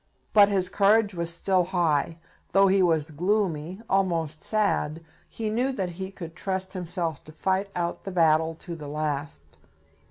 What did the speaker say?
But his courage was still high. Though he was gloomy, and almost sad, he knew that he could trust himself to fight out the battle to the last.